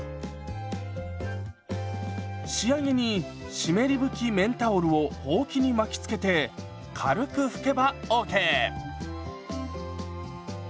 仕上げに湿り拭き綿タオルをほうきに巻きつけて軽く拭けばＯＫ！